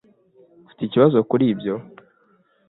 Ufite ikibazo kuri ibyo?